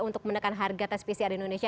untuk menekan harga tes pcr di indonesia